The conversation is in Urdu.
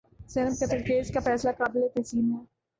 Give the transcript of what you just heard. زینب قتل کیس کا فیصلہ قابل تحسین ہے